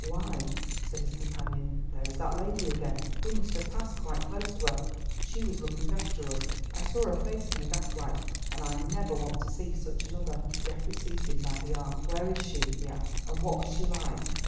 "Why," said his companion, "there is that lady again; we must have passed quite close to her. She was looking after us, I saw her face in the gaslight—and I never want to see such another." Geoffrey seized him by the arm. "Where is she?" he asked, "and what was she like?"